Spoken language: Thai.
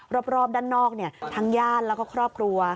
รอบด้านนอกทั้งญาติแล้วก็ครอบครัว